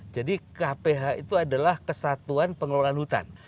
jadi kph itu adalah kesatuan pengelolaan hutan